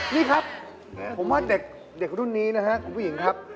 นี่ครับผมว่าเด็กรุ่นนี้นะครับคุณผู้หญิงครับ